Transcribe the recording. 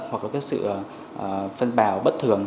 hoặc là sự phân bào bất thường